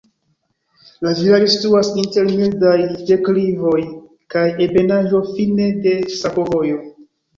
La vilaĝo situas inter mildaj deklivoj kaj ebenaĵo, fine de sakovojo.